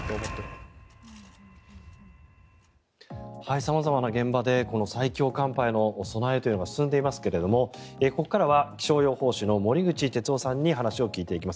様々な現場で最強寒波への備えというのが進んでいますが、ここからは気象予報士の森口哲夫さんに話を聞いていきます。